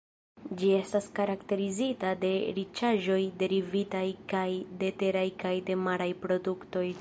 Ĝi estas karakterizita de riĉaĵoj derivitaj kaj de teraj kaj de maraj produktoj.